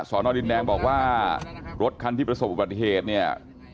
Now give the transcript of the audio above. สอนอดินแดงบอกว่ารถคันที่ประสบอุบัติเหตุเนี่ย